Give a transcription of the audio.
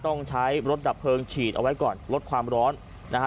ต้องใช้รถดับเพลิงฉีดเอาไว้ก่อนลดความร้อนนะฮะ